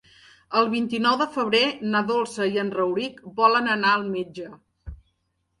El vint-i-nou de febrer na Dolça i en Rauric volen anar al metge.